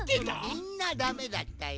みんなダメだったよ。